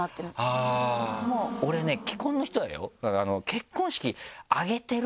俺ね既婚の人だよ。